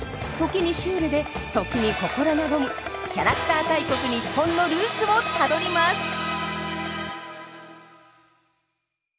時にシュールで時に心和むキャラクター大国にっぽんのルーツをたどります。